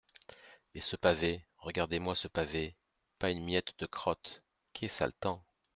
Et ce pavé… regardez-moi ce pavé !… pas une miette de crotte ! qué sale temps !